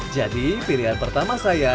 jadi pilihan pertama saya